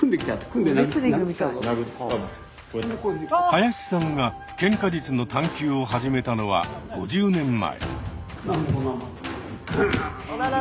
林さんがケンカ術の探求を始めたのは５０年前。